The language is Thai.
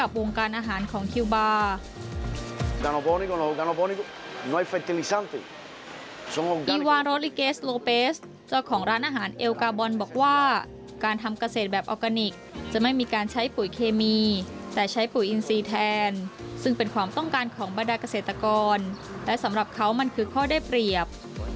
แบบโอลิเกสโลเปสเจ้าของร้านอาหารเอลการบอลบอกว่าการทำเกษตรแบบอลกานิกจะไม่มีการใช้ปุ่นเคมีแต่ใช้ปุ่นอินซีแทนซึ่งเป็นของต้องการของบรรดาเกษตรกรและสำหรับเขามันคือข้อได้เปรียบ